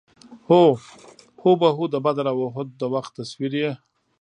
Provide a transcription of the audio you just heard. هو بهو د بدر او اُحد د وخت تصویر یې.